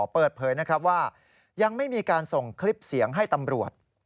เปิดเผยนะครับว่ายังไม่มีการส่งคลิปเสียงให้ตำรวจ